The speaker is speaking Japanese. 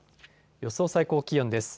予想最高気温です。